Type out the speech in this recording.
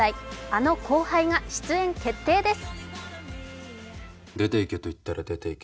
あの後輩が出演決定です。